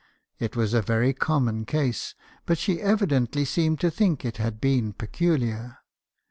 It was a very common case, but she evidently seemed to think it had been peculiar.